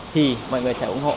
thì mọi người sẽ ủng hộ